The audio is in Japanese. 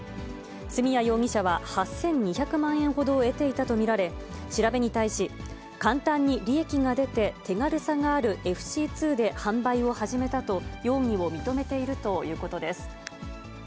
角谷容疑者は８２００万円ほどを得ていたと見られ、調べに対し、簡単に利益が出て、手軽さがあるＦＣ２で販売を始めたと、容疑を認めているということです。